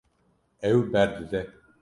Ew berdide.